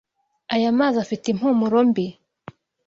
Aya mazi afite impumuro mbi.